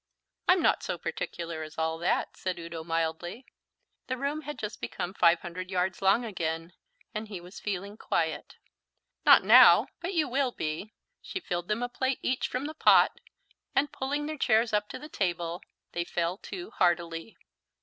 "I'm not so particular as all that," said Udo mildly. The room had just become five hundred yards long again, and he was feeling quiet. "Not now, but you will be." She filled them a plate each from the pot; and pulling their chairs up to the table, they fell to heartily.